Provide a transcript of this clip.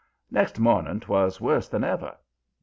"Next morning 'twas worse than ever.